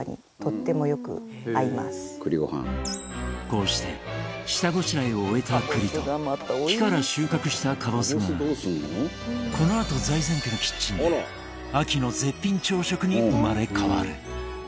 こうして下ごしらえを終えた栗と、木から収穫したカボスがこのあと財前家のキッチンで秋の絶品朝食に生まれ変わる。